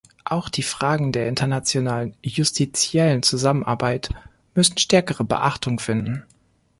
Auch die Fragen der internationalen justitiellen Zusammenarbeit müssen stärkere Beachtung finden.